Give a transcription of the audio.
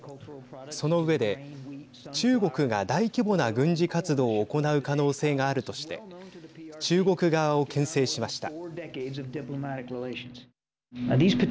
その上で中国が大規模な軍事活動を行う可能性があるとして中国側を、けん制しました。